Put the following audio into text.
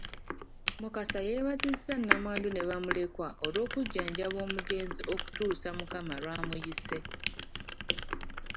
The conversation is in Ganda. Mukasa yeebazizza nnamwandu ne bamulekwa olw'okujjanjaba omugenzi okutuusa Mukama lw’amuyise.